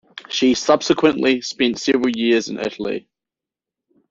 She subsequently spent several years in Italy.